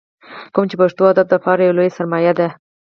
کوم چې پښتو ادب دپاره يوه لويه سرمايه ده ۔